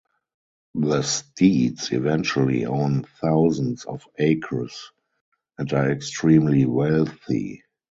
The Steeds eventually own thousands of acres and are extremely wealthy.